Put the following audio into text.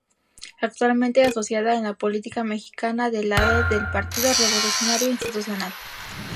Actualmente, asociada en la política mexicana del lado del Partido Revolucionario Institucional.